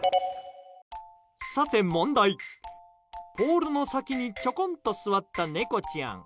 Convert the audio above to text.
さて問題、ポールの先にちょこんと座った猫ちゃん。